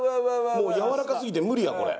もうやわらかすぎて無理やこれ。